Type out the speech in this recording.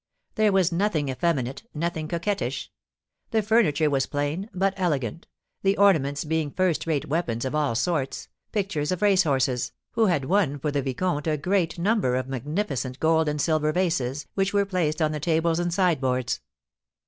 There was nothing effeminate, nothing coquettish. The furniture was plain, but elegant, the ornaments being first rate weapons of all sorts, pictures of race horses, who had won for the vicomte a great number of magnificent gold and silver vases, which were placed on the tables and sideboards.